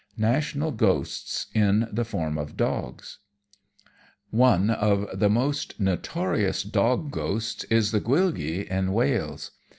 National Ghosts in the form of Dogs One of the most notorious dog ghosts is the Gwyllgi in Wales.